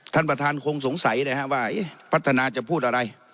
ท่านประธานคงสงสัยนะครับว่าพัฒนาจะพูดอะไร